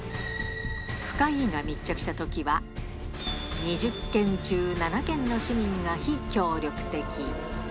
深イイが密着したときは、２０件中７件の市民が非協力的。